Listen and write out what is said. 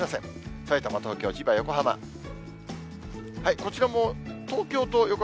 さいたま、東京、千葉、横浜。